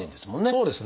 そうですね。